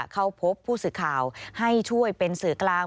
เข้าพบผู้สื่อข่าวให้ช่วยเป็นสื่อกลาง